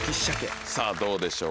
さぁどうでしょうか。